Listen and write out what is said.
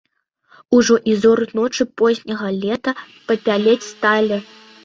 Ужо і зоры ночы позняга лета папялець сталі.